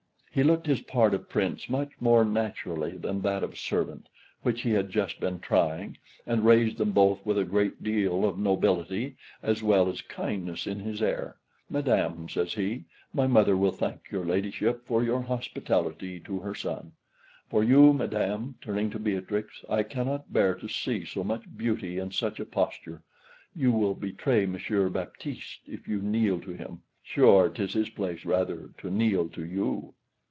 He looked his part of Prince much more naturally than that of servant, which he had just been trying, and raised them both with a great deal of nobility, as well as kindness in his air. "Madam," says he, "my mother will thank your ladyship for your hospitality to her son; for you, madam," turning to Beatrix, "I cannot bear to see so much beauty in such a posture. You will betray Monsieur Baptiste if you kneel to him; sure 'tis his place rather to kneel to you."